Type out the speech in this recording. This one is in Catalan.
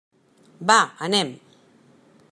Va, anem.